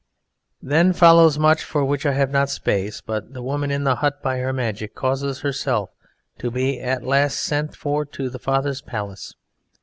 Then follows much for which I have not space, but the woman in the hut by her magic causes herself to be at last sent for to the father's palace.